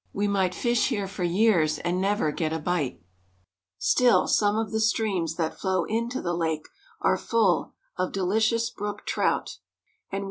We might fish here for years and never get a bite. Still, some of the streams that flow into the lake are full of dehcious brook CARP.